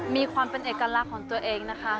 มีความเป็นเอกลักษณ์ของตัวเองนะคะ